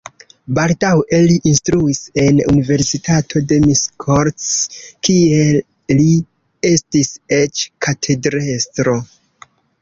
Baldaŭe li instruis en universitato de Miskolc, kie li estis eĉ katedrestro.